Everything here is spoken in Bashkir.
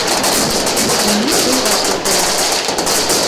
- Уны ҡулға алдылар!